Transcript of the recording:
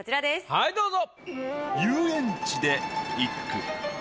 はいどうぞ。